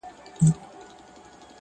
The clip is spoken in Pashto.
وخت سره زر دي او ته باید زرګر اوسي,